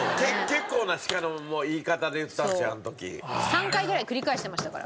３回ぐらい繰り返してましたから。